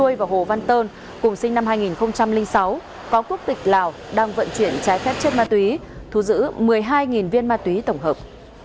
hồ văn và hồ văn tơn cùng sinh năm hai nghìn sáu có quốc tịch lào đang vận chuyển trái phép chất ma túy thu giữ một mươi hai viên ma túy tổng hợp